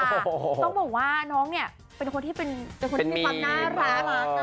ต้องบอกว่าน้องเนี่ยเป็นคนที่เป็นคนที่มีความน่ารัก